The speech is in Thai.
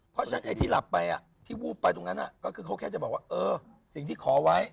เพราะฉะนั้นไอ้ที่หลับไปที่วูบไปตรงนั้นก็คือเขาแค่จะบอกว่าเออสิ่งที่ขอไว้